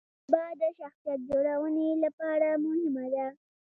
ژبه د شخصیت جوړونې لپاره مهمه ده.